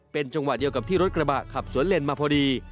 เป็นจังหวะเดียวกับที่รถกระบะขับสวนเลนมาพอดี